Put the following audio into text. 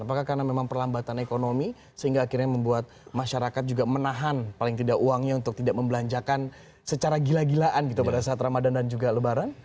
apakah karena memang perlambatan ekonomi sehingga akhirnya membuat masyarakat juga menahan paling tidak uangnya untuk tidak membelanjakan secara gila gilaan gitu pada saat ramadan dan juga lebaran